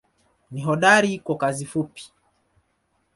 Ni hodari kwa kazi fupi.